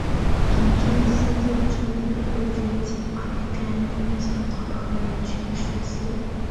从村西进入村内的日军及华北治安军向逃跑的人群射击。